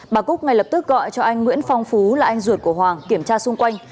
bà cúc ngay lập tức gọi cho anh nguyễn phong phú là anh ruột của hoàng kiểm tra xung quanh